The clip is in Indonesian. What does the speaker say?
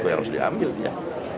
tapi harus diambil ya